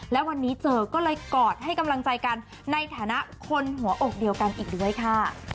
และวันนี้เจอก็เลยกอดให้กำลังใจกันในฐานะคนหัวอกเดียวกันอีกด้วยค่ะ